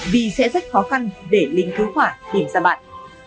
vì sẽ rất khó khăn để lính cứu hỏa tìm ra bạn